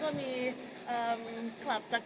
สวัสดีทุกคน